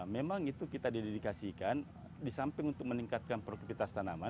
memang itu kita didedikasikan di samping untuk meningkatkan produktivitas tanaman